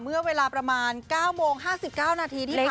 เมื่อเวลาประมาณ๙โมง๕๙นาทีที่แล้ว